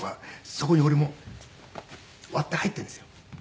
そこに俺も割って入っているんですよ。